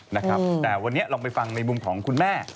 นะครับแต่วันนี้ลองไปฟังในมุมของคุณแม่